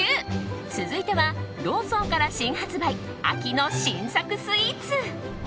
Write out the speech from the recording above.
続いては、ローソンから新発売秋の新作スイーツ。